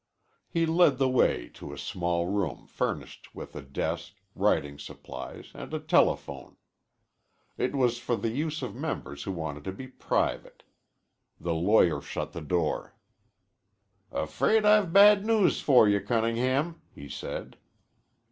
He led the way to a small room furnished with a desk, writing supplies, and a telephone. It was for the use of members who wanted to be private. The lawyer shut the door. "Afraid I've bad news for you, Cunningham," he said.